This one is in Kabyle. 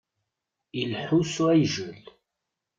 Ileḥḥu s uɛijel.